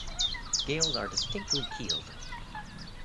Scales are distinctly keeled.